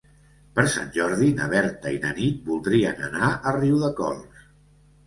Per Sant Jordi na Berta i na Nit voldrien anar a Riudecols.